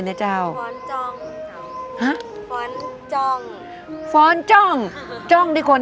นึกได้นะเจ้าฝอนจรรย์เธอฝอนจรรย์ฝอนจรรย์จรรย์ที่กวน